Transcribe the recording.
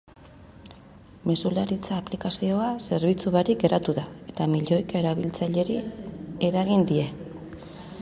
Mezularitza aplikazioa zerbitzu barik geratu da, eta milioika erabiltzaileri eragin die.